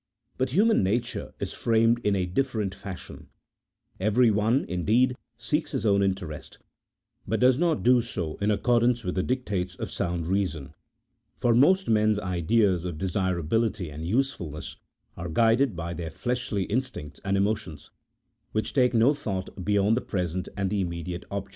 But human nature is framed in a different fashion : every one, indeed, seeks his own interest, but does not do so in accordance with the dictates of sound reason, for most men's ideas of desirability and usefulness are guided by their fleshly instincts and emotions, which take no thought beyond the present and the immediate object.